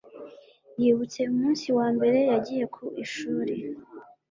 yibutse umunsi wa mbere yagiye ku ishuri.